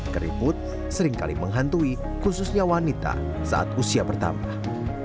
keriput seringkali menghantui khususnya wanita saat usia bertambah